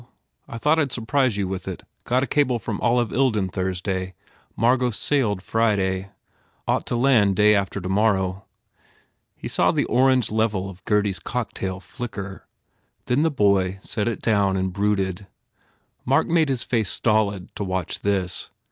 I thought I d surprise you with it. Got a cable from Olive Ilden Thursday. Mar got sailed Friday. Ought to land day after to morrow." He saw the orange level of Gurdy s cocktail flicker. Then the boy set it down and brooded. Mark made his face stolid to watch this.